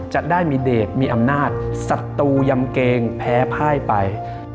จะได้มีเด็กมีอำนาจศัตรูยำเกงแพ้พ่ายไป